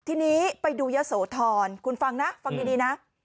ทีนี้ไปดูยะโสธรคุณฟังนะฟังดีนะ